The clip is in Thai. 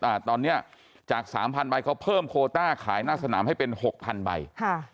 อ่าตอนเนี้ยจากสามพันใบเขาเพิ่มโคต้าขายหน้าสนามให้เป็นหกพันใบค่ะ